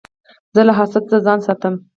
زه له حسده ځان ساتم.